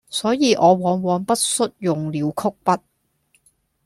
所以我往往不恤用了曲筆，